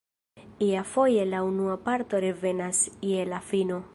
Iafoje la unua parto revenas je la fino.